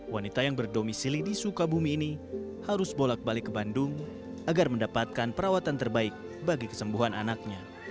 wanita yang berdomisili di sukabumi ini harus bolak balik ke bandung agar mendapatkan perawatan terbaik bagi kesembuhan anaknya